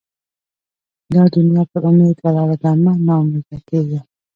دا دونیا پر اُمید ولاړه ده؛ مه نااميده کېږئ!